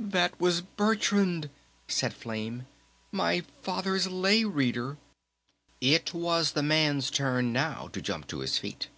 "That was Bertrand!" said Flame. "My Father's Lay Reader." It was the man's turn now to jump to his feet.